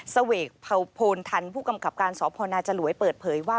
สเวกภพทันผู้กำกับการสพนจรวยเปิดเผยว่า